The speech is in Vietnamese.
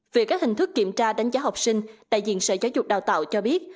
về các hình thức kiểm tra đánh giá học sinh đại diện sở giáo dục đào tạo cho biết